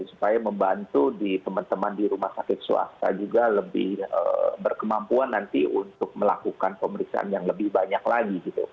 supaya membantu di teman teman di rumah sakit swasta juga lebih berkemampuan nanti untuk melakukan pemeriksaan yang lebih banyak lagi gitu